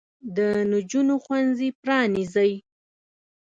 د نجونو ښوونځي پرانیزئ.